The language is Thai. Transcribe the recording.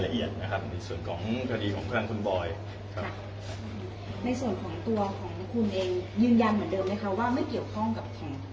ว่าไม่เกี่ยวข้องกับทางคุณบอยครับ